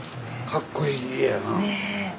かっこいい家やな。ね。